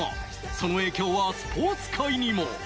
その影響はスポーツ界にも！